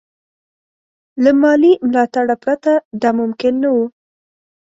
له مالي ملاتړه پرته دا ممکن نه وو.